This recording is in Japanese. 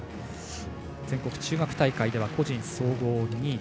全国中学体操では個人総合２位。